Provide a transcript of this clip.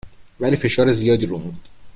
ولی فشار زیادی روم بود